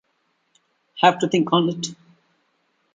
Have to think on it.